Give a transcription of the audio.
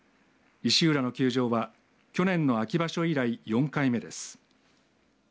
石浦の休場は、去年の秋場所以来４回目です。